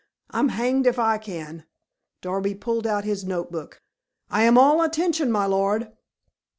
I'm hanged if I can." Darby pulled out his notebook. "I am all attention, my lord."